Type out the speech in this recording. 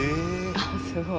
あっすごい。